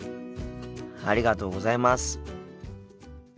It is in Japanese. ありがとうございます。